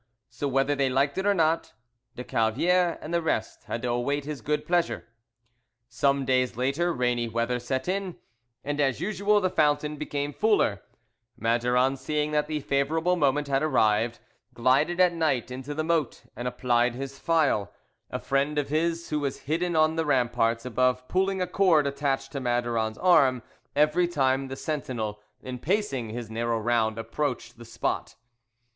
So whether they liked it or not, de Calviere and the rest had to await his good pleasure. Some days later rainy weather set in, and as usual the fountain became fuller; Maduron seeing that the favourable moment had arrived, glided at night into the moat and applied his file, a friend of his who was hidden on the ramparts above pulling a cord attached to Maduron's arm every time the sentinel, in pacing his narrow round, approached the spot.